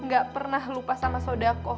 gak pernah lupa sama sodako